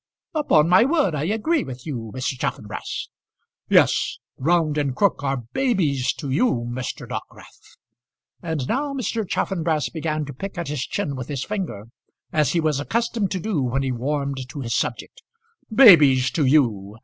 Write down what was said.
"Upon my word I agree with you, Mr. Chaffanbrass." "Yes; Round and Crook are babies to you, Mr. Dockwrath;" and now Mr. Chaffanbrass began to pick at his chin with his finger, as he was accustomed to do when he warmed to his subject. "Babies to you!